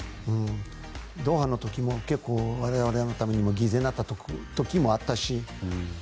ドーハの時も結構我々のために犠牲になった時もあったし。